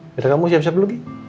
kita kamu siap siap lagi